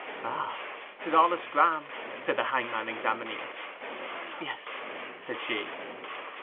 'Ah—'tis all a scram!' said the hangman, examining it. 'Yes,' said she.